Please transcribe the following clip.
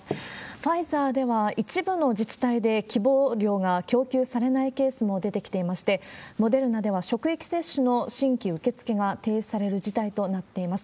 ファイザーでは一部の自治体で希望量が供給されないケースも出てきていまして、モデルナでは職域接種の新規受け付けが停止される事態となっています。